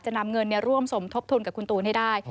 นำเงินร่วมสมทบทุนกับคุณตูนให้ได้